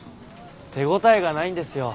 手応えがないんですよ。